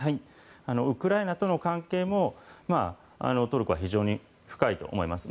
ウクライナとの関係もトルコは非常に深いと思います。